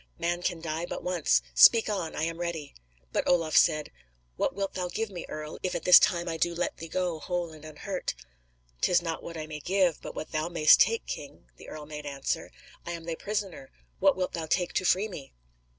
Man can die but once. Speak on; I am ready!" But Olaf said: "What wilt thou give me, earl, if at this time I do let thee go, whole and unhurt?" "'Tis not what I may give, but what thou mayst take, king," the earl made answer. "I am thy prisoner; what wilt thou take to free me?"